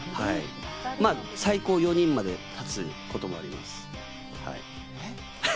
最高４人まで立つこともあります。